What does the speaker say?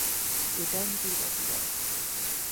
এটারনিটির কাছে যাও।